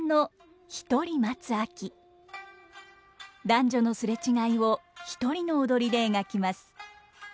男女の擦れ違いを一人の踊りで描きます。